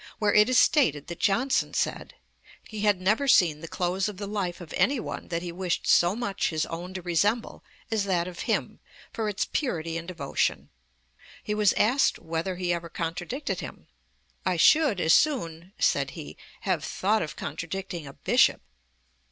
206, where it is stated that 'Johnson said: "He had never seen the close of the life of any one that he wished so much his own to resemble as that of him, for its purity and devotion." He was asked whether he ever contradicted him. "I should as soon," said he, "have thought of contradicting a bishop."